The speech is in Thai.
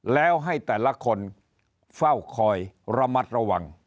แล้วให้แต่ละคนเฝ้าคอยระมัดระวัง